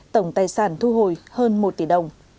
tổng tài sản thu hồi hơn một tỷ đồng